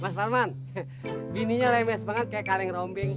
mas salman bininya lemes banget kayak kaleng rombeng